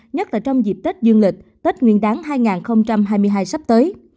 nhất là trong dịp tết dương lịch tết nguyên đáng hai nghìn hai mươi hai sắp tới